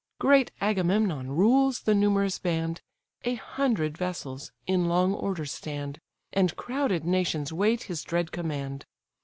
Great Agamemnon rules the numerous band, A hundred vessels in long order stand, And crowded nations wait his dread command.